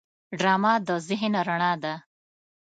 ډرامه د ذهن رڼا ده